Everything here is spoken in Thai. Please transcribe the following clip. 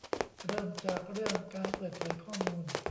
เริ่มจากเรื่องการเปิดเผยข้อมูล